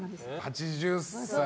８０歳。